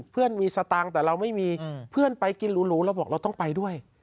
เพื่อนมีสตางค์แต่เราไม่มีเพื่อนไปกินหรูเราบอกเราต้องไปด้วย